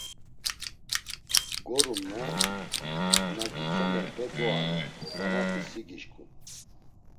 Gorumna na gitzomerpe doare, vanati si gişǩun!